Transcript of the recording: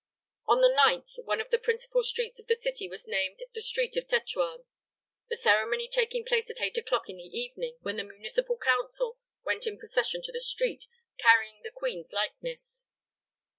On the 9th, one of the principal streets of the city was named the street of Tetuan; the ceremony taking place at eight o'clock in the evening, when the municipal council went in procession to the street, carrying the Queen's likeness.